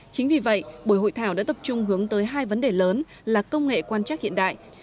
chính vì vậy buổi hội thảo đã tập trung hướng tới hai vấn đề lớn là công nghệ quan chắc hiện đại